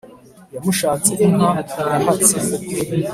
yamushatse inka yahatse,